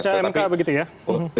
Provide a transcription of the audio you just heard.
pasca mk begitu ya